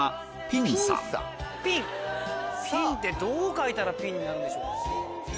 ピンってどう書いたらピンになるんでしょうか。